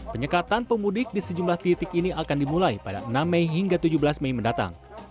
penyekatan pemudik di sejumlah titik ini akan dimulai pada enam mei hingga tujuh belas mei mendatang